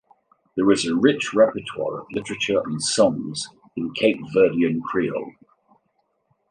There is a rich repertoire of literature and songs in Cape Verdean Creole.